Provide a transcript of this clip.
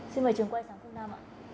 xin mời trường quay sáng phương nam ạ